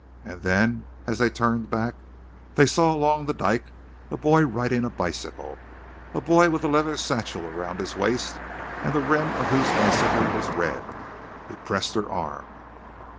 And then, as they turned back, they saw along the dyke a boy riding a bicycle, a boy with a leather satchel around his waist, and the rim of whose bicycle was red. He pressed her arm.